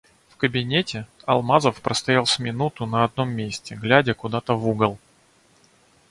В кабинете Алмазов простоял с минуту на одном месте, глядя куда-то в угол.